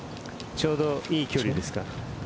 ちょうどいい距離ですか。